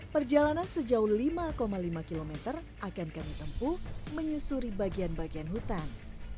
perjalanan sejauh lima lima km akan kami tempuh menyusuri bagian bagian hutan